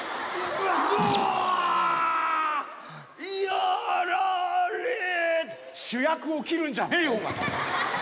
やられ主役を斬るんじゃねえよお前！